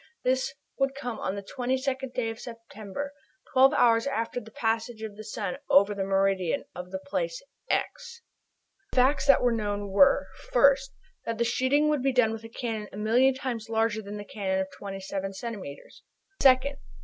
This would come on the 22d day of September, twelve hours after the passage of the sun over the meridian of the place "x." The facts that were known were: 1st. That the shooting would be done with a cannon a million times larger than the cannon of 27 centimetres. 2d.